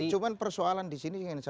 cuman persoalan disini yang saya sampaikan